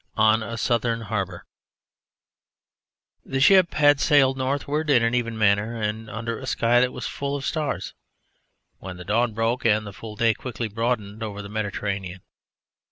ON A SOUTHERN HARBOUR The ship had sailed northward in an even manner and under a sky that was full of stars, when the dawn broke and the full day quickly broadened over the Mediterranean.